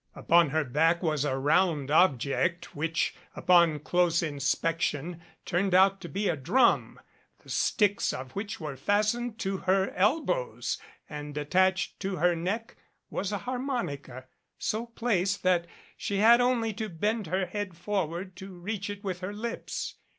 Upon her back was a round object which upon closer inspection turned out to be a drum, the sticks of which were fastened to her elbows, and attached to her neck was a harmonica, so placed that she had only to bend her head forward to reach it with her lips.